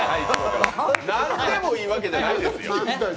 何でもいいわけじゃないですよ。